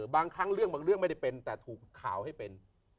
บางครั้งเรื่องบางเรื่องไม่ได้เป็นแต่ถูกข่าวให้เป็น